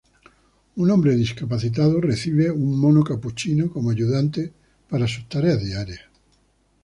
Un hombre discapacitado recibe un mono capuchino como ayudante para sus tareas diarias.